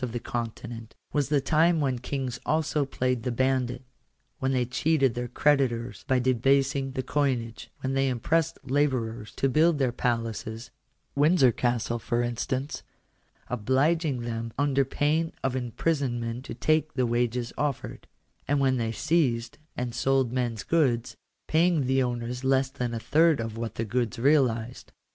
231 of the Continent, was the time when kings also played the bandit; when they cheated their creditors by debasing the coinage ; when they impressed labourers to build their palaces (Windsor Castle, for instance), obliging them under pain of imprisonment to take the wages offered ; and when they seized and sold men's goods, paying the owners less than a third of what the goods realized.